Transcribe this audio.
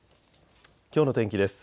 きょうの天気です。